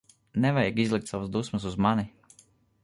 Nevajag izlikt savas dusmas uz mani.